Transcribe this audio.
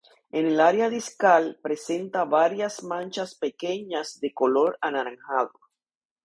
En el área discal, presenta varias manchas pequeñas de color anaranjado.